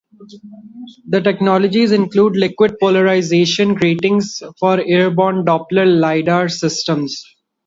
The technologies include liquid polarisation gratings for airborne Doppler lidar systems.